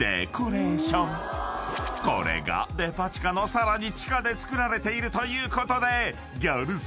［これがデパ地下のさらに地下で作られているということでギャル曽根が調査！］